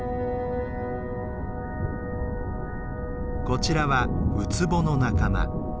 こちらはウツボの仲間。